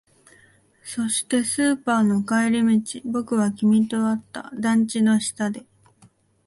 そして、スーパーの帰り道、僕は君と会った。団地の下で。